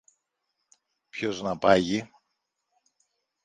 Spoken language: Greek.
Ποιος να πάγει;